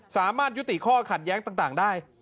สามารถยุติข้อขัดแย้งต่างได้